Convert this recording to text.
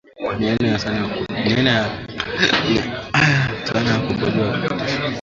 Ni aya sana kukojoa kukibumbashi